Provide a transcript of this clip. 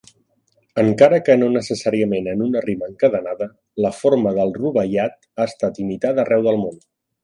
Encara que no necessàriament en una rima encadenada, la forma del Rubaiyat ha estat imitada arreu del món.